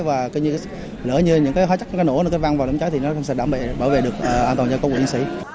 và lỡ những hóa chất nổ văng vào đâm cháy thì nó sẽ đảm bảo vệ được an toàn cho cán bộ chiến sĩ